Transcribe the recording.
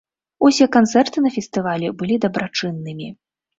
Усе канцэрты на фестывалі былі дабрачыннымі.